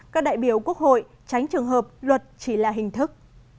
các đại biểu quốc hội tránh trường hợp luật chỉ là hình thức